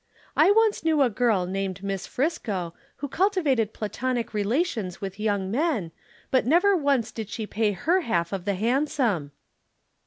I once knew a girl named Miss Friscoe who cultivated Platonic relations with young men, but never once did she pay her half of the hansom."